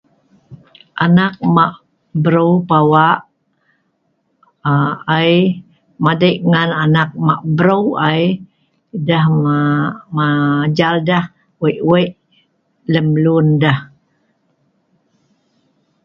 Anak ma brou pawa um ai, madei ngan anak ma brou ai, deh ma' ma' ngajal deh wei' we' lem lun deh